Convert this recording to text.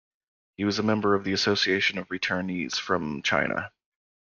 He was a member of the Association of Returnees from China.